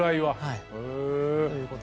はい。